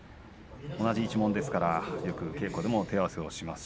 同じ一門ですから、よく稽古でも手を合わせをしています。